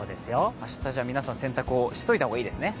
明日皆さん洗濯をしといた方がいいですね？